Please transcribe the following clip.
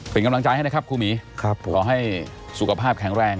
เป็นกำลังใจให้นะครับครูหมีขอให้สุขภาพแข็งแรง